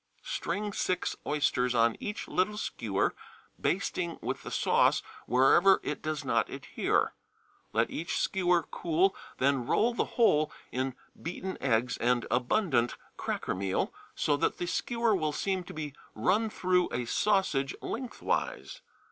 String six oysters on each little skewer, basting with the sauce wherever it does not adhere; let each skewer cool, then roll the whole in beaten eggs and abundant cracker meal, so that the skewer will seem to be run through a sausage lengthwise.